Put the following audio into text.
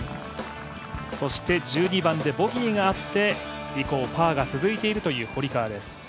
１２番でボギーがあって以降、パーが続いている堀川です。